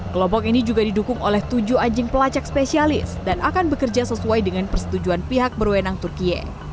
kelompok ini juga didukung oleh tujuh anjing pelacak spesialis dan akan bekerja sesuai dengan persetujuan pihak berwenang turkiye